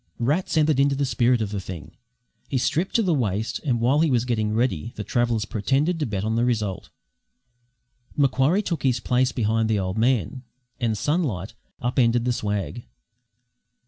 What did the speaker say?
Rats entered into the spirit of the thing; he stripped to the waist, and while he was getting ready the travellers pretended to bet on the result. Macquarie took his place behind the old man, and Sunlight up ended the swag.